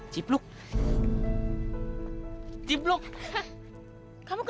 sampai aku dapatkan kamu lagi